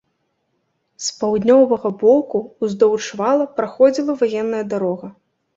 З паўднёвага боку ўздоўж вала праходзіла ваенная дарога.